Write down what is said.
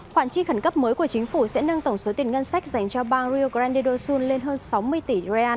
khoản chi khẩn cấp mới của chính phủ sẽ nâng tổng số tiền ngân sách dành cho bang rio grande do sul lên hơn sáu mươi tỷ ra